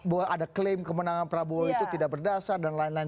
bahwa ada klaim kemenangan prabowo itu tidak berdasar dan lain lain